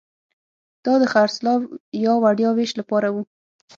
دا د خرڅلاو یا وړیا وېش لپاره وو